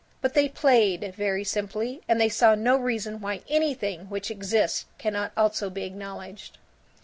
But they played, very simply, and they saw no reason why anything which exists cannot also be acknowledged.